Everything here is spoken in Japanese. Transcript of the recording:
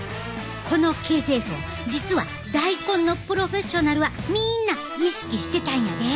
この形成層実は大根のプロフェッショナルはみんな意識してたんやで。